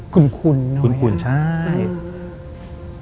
คุ้นหน่อยอ่ะคุ้นใช่คุ้นหน่อยอ่ะ